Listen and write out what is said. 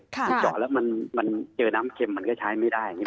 ถ้าเจาะแล้วมันเจอน้ำเค็มมันก็ใช้ไม่ได้